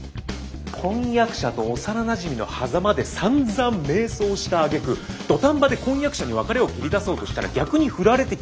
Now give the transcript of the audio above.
婚約者と幼なじみのはざまでさんざん迷走したあげく土壇場で婚約者に別れを切り出そうとしたら逆に振られて